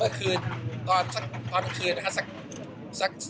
เมื่อคืนตอนที่คืนดนตร์นะครับ